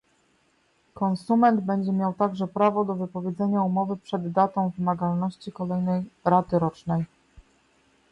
Konsument będzie miał także prawo do wypowiedzenia umowy przed datą wymagalności kolejnej raty rocznej